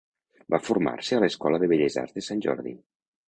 Va formar-se a l'Escola de Belles Arts de Sant Jordi.